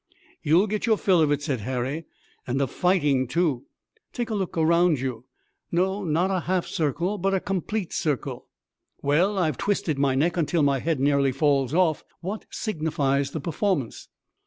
"You'll get your fill of it," said Harry, "and of fighting, too. Take a look all around you. No, not a half circle, but a complete circle." "Well, I've twisted my neck until my head nearly falls off. What signifies the performance?"